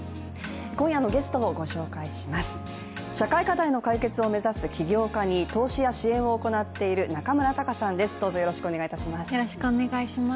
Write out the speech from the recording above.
今夜のゲストをご紹介します。